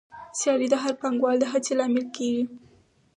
سیالي د هر پانګوال د هڅې لامل کېږي